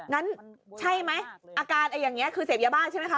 งั้นใช่ไหมอาการอย่างนี้คือเสพยาบ้าใช่ไหมคะ